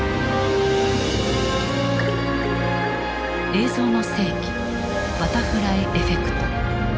「映像の世紀バタフライエフェクト」。